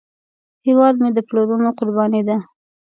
هیواد مې د پلرونو قرباني ده